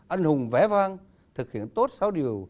anh hùng vẽ vang thực hiện tốt sáu điều